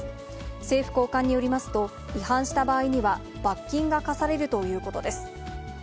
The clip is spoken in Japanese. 政府高官によりますと、違反した場合には罰金が科されるということです。